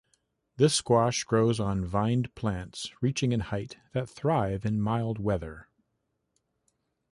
This squash grows on vined plants reaching in height that thrive in mild weather.